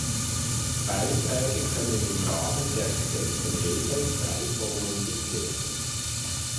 Beiträge können im Rahmen der gesetzten Regeln frei formuliert werden.